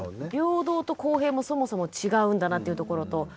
平等と公平もそもそも違うんだなっていうところと。